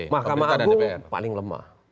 mahkamah agung paling lemah